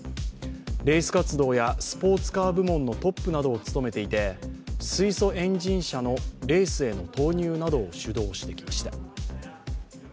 レース活動やスポーツカー部門などのトップを務めていて水素エンジン車のレースへの投入などを主導してきました。